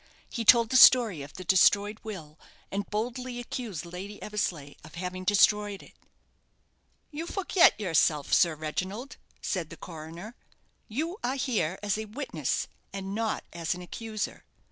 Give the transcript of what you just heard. He told the story of the destroyed will, and boldly accused Lady Eversleigh of having destroyed it. "You forget yourself, Sir Reginald," said the coroner; "you are here as a witness, and not as an accuser."